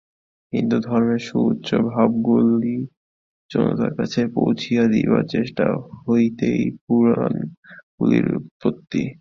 হিন্দুধর্মের সু-উচ্চ ভাবগুলি জনতার কাছে পৌঁছিয়া দিবার চেষ্টা হইতেই পুরাণগুলির উৎপত্তি।